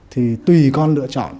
thì tùy con lựa chọn